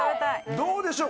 どうでしょう